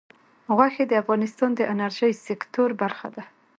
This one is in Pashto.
غوښې د افغانستان د انرژۍ سکتور برخه ده.